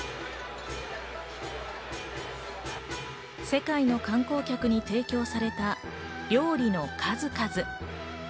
世界の観光客に提供された料理の数々。